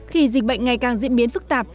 khi dịch bệnh ngày càng diễn biến phức tạp